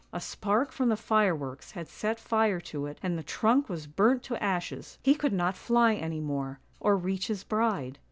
A spark from the fireworks had set fire to it and the trunk was burnt to ashes. He could not fly any more, or reach his bride.